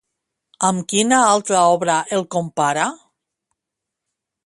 Amb quina altra obra el compara?